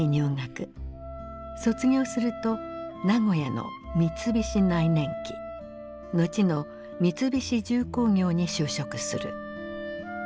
卒業すると名古屋の三菱内燃機後の三菱重工業に就職する。